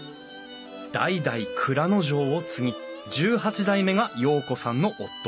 代々内蔵丞を継ぎ１８代目が陽子さんの夫。